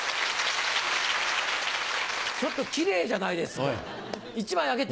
ちょっとキレイじゃないですか１枚あげて。